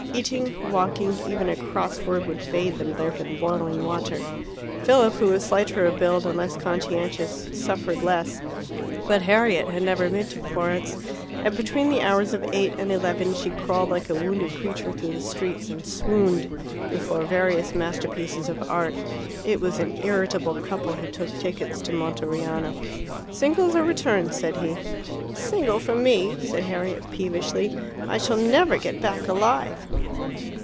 Eating, walking, even a cross word would bathe them both in boiling water. Philip, who was slighter of build, and less conscientious, suffered less. But Harriet had never been to Florence, and between the hours of eight and eleven she crawled like a wounded creature through the streets, and swooned before various masterpieces of art. It was an irritable couple who took tickets to Monteriano. "Singles or returns?" said he. "A single for me," said Harriet peevishly; "I shall never get back alive."